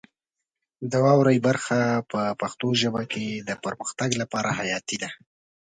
د واورئ برخه په پښتو ژبه کې د پرمختګ لپاره حیاتي ده.